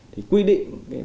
thì quy định